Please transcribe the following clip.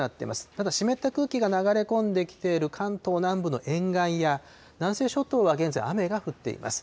ただ、湿った空気が流れ込んできている関東南部の沿岸や南西諸島は現在、雨が降っています。